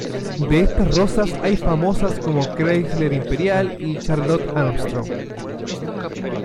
De estas rosas hay famosas como 'Chrysler Imperial' y 'Charlotte Armstrong'.